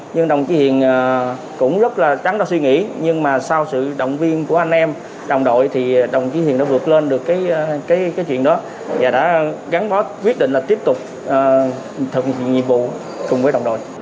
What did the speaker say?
nhưng đồng chí hiền cũng rất là trắng đã suy nghĩ nhưng mà sau sự động viên của anh em đồng đội thì đồng chí hiền đã vượt lên được cái chuyện đó và đã gắn bó quyết định là tiếp tục thực hiện nhiệm vụ cùng với đồng đội